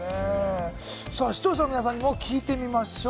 視聴者の皆さんにも聞いてみましょう。